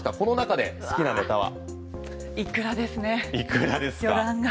この中で好きなネタは？